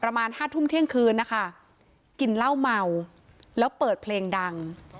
ประมาณห้าทุ่มเที่ยงคืนนะคะกินเหล้าเมาแล้วเปิดเพลงดัง